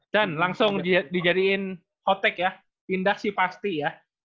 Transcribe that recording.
dan langsung dijadiin hot take ya pindah sih pasti ya